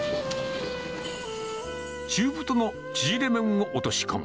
中太の縮れ麺を落とし込む。